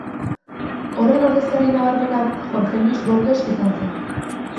Horren ordezkari nabarmena Jorge Luis Borges izan zen.